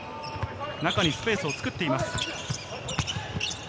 中にスペースを作っています。